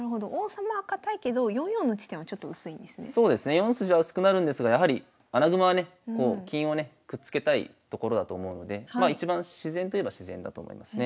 ４筋は薄くなるんですがやはり穴熊はね金をねくっつけたいところだと思うのでまあ一番自然といえば自然だと思いますね。